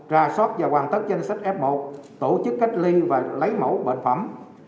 ra soát và hoàn tất danh sách f một tổ chức cách ly và lấy mẫu bệnh phẩm